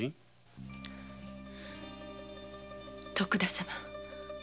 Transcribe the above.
徳田様